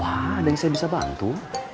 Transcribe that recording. ada yang saya bisa bantu